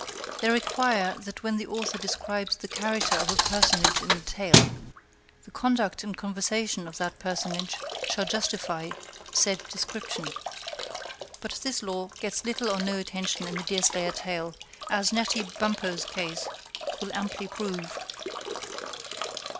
They require that when the author describes the character of a personage in his tale, the conduct and conversation of that personage shall justify said description. But this law gets little or no attention in the Deerslayer tale, as Natty Bumppo's case will amply prove.